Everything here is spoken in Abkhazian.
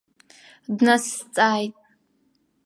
Днасзҵааит.